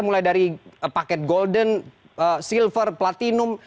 mulai dari paket golden silver platinum